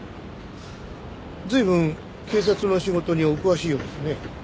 随分警察の仕事にお詳しいようですね。